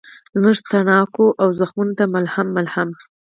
زموږ تڼاکو او زخمونوته ملهم، ملهم